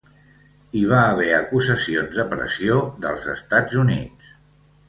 Hi va haver acusacions de pressió dels Estats Units.